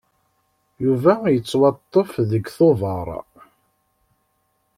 Yuba yettwaṭṭef deg Tubeṛ.